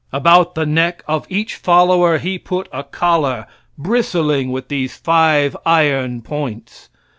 About the neck of each follower he put a collar, bristling with these five iron points.